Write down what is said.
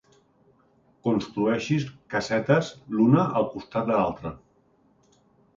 Construeixis casetes l'una al costat de l'altra.